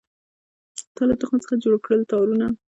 تا له تخم څخه جوړکړله تارونه